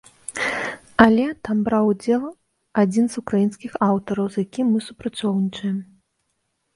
Але там браў удзел адзін з украінскіх аўтараў, з якім мы супрацоўнічаем.